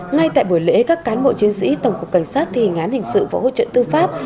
ngay tại buổi lễ các cán bộ chiến sĩ tổng cục cảnh sát thề ngán hình sự và hỗ trợ thương pháp